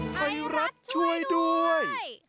ไทยรัฐช่วยด้วย